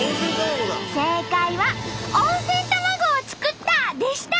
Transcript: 正解は「温泉卵を作った」でした！